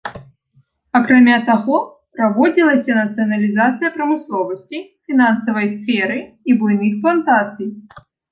Акрамя таго, праводзілася нацыяналізацыя прамысловасці, фінансавай сферы і буйных плантацый.